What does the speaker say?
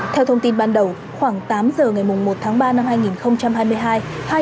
theo thông tin ban đầu khoảng tám giờ ngày một ba hai nghìn hai mươi hai